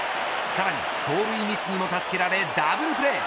さらに走塁ミスにも助けられダブルプレー。